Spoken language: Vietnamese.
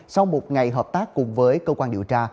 sau một ngày hợp tác cùng với cơ quan điều tra